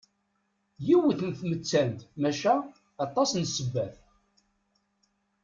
Yiwet n tmettant maca aṭas n ssebbat.